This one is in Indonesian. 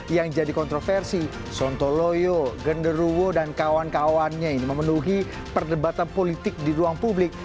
yang jadi kontroversi sontoloyo genderuwo dan kawan kawannya ini memenuhi perdebatan politik di ruang publik